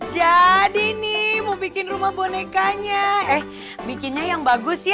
jadi nih mau bikin rumah bonekanya eh bikinnya yang bagus ya